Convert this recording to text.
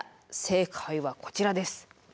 正解はこちらです。